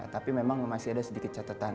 tapi memang masih ada sedikit catatan